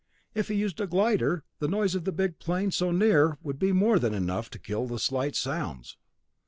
If he used a glider, the noise of the big plane so near would be more than enough to kill the slight sounds.